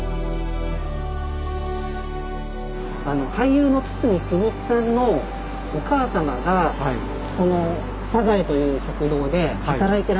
俳優の堤真一さんのお母さまがこのサザエという食堂で働いてらっしゃったんですよ。